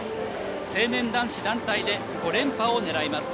成年男子団体で５連覇を狙います。